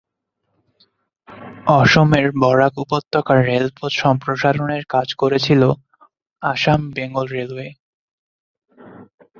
অসমের বরাক উপত্যকার রেলপথ সম্প্রসারণের কাজ করেছিল আসাম বেঙ্গল রেলওয়ে।